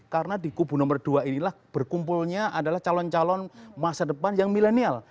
karena di kubu nomor dua inilah berkumpulnya adalah calon calon masa depan yang milenial